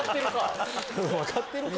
分かってるか！